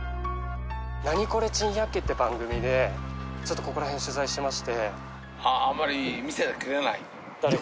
『ナニコレ珍百景』って番組でちょっとここら辺取材してまして。